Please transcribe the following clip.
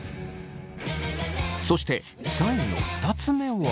そして３位の２つ目は。